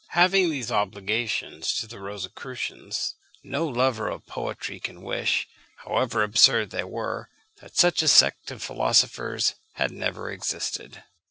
Having these obligations to the Rosicrucians, no lover of poetry can wish, however absurd they were, that such a sect of philosophers had never existed.